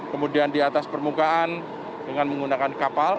kemudian di atas permukaan dengan menggunakan kapal